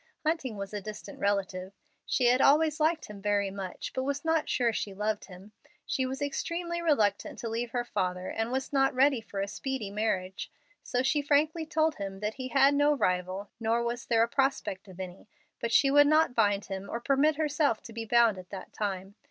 Hunting was a distant relative. She had always liked him very much, but was not sure she loved him. She was extremely reluctant to leave her father, and was not ready for a speedy marriage; so she frankly told him that he had no rival, nor was there a prospect of any, but she would not bind him, or permit herself to be bound at that time.